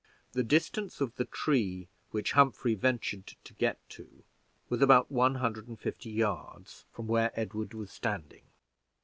The distance of the tree which Humphrey ventured to get to was one about one hundred and fifty yards from where Edward was standing.